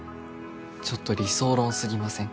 ちょっと理想論すぎません？